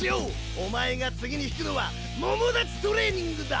お前が次に引くのはモモダチ・トレーニングだ！